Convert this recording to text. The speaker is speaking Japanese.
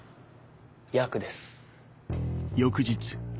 ヤクです。